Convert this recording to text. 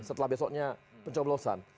setelah besoknya pencoblosan